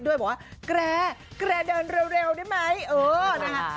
ด้วยบอกว่าแกรแกรเดินเร็วได้ไหมเออนะคะ